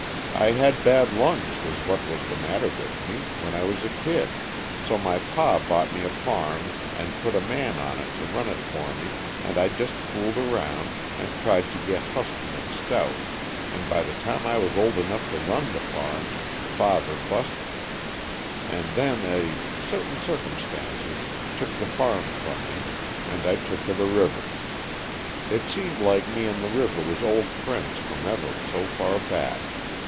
I had bad lungs was what was the matter with me, when I was a kid, so my pa bought me a farm and put a man on it to run it for me, and I just fooled around and tried to get husky and stout and by the time I was old enough to run the farm Father busted, and then a certain circumstances took the farm from me, and I took to the river. It seemed like me and the river was old friends from ever so far back.